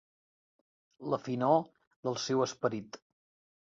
La finor del seu esperit.